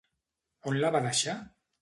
On la va deixar?